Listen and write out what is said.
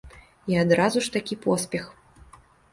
І адразу ж такі поспех.